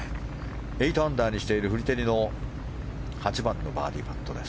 ８アンダーにしているフリテリの８番のバーディーパットです。